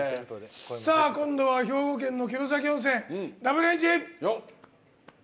今度は兵庫県の城崎温泉、Ｗエンジン！